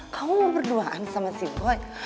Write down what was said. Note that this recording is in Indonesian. kamu mau berduaan sama si boy